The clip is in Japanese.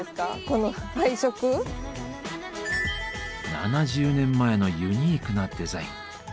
７０年前のユニークなデザイン。